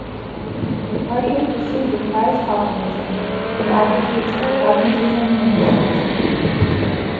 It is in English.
The party officially decries populism and advocates for pragmatism and realism.